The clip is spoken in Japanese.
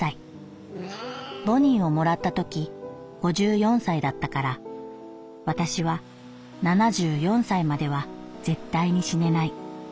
ボニーをもらったとき五十四歳だったから私は七十四歳までは絶対に死ねない。